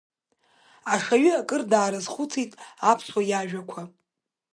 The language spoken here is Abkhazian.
Ашаҩы акыр даарызхәыцит Аԥсуа иажәақәа.